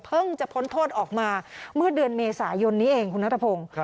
จะพ้นโทษออกมาเมื่อเดือนเมษายนนี้เองคุณนัทพงศ์